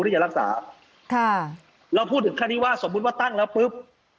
ที่จะรักษาค่ะเราพูดถึงขั้นที่ว่าสมมุติว่าตั้งแล้วปุ๊บ